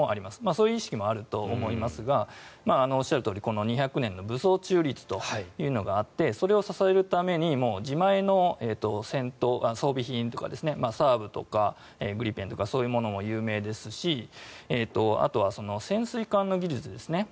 そういう意識もあると思いますがおっしゃるとおり２００年の武装中立というのがあってそれを支えるために自前の装備品というかＳＡＡＢとかそういうものも有名ですしあとは潜水艦の技術ですね。